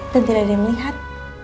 dan tidak ada yang melihat